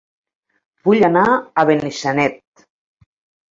Vull anar a Benissanet